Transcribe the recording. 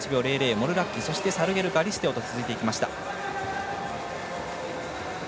モルラッキサルゲルガリステオと続いてきました。